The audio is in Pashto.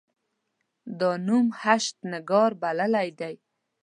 دا نوم هشتنګار بللی دی.